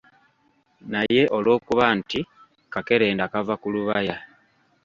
Naye olwokuba nti kakerenda kava ku lubaya.